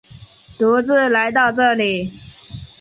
独自来到这里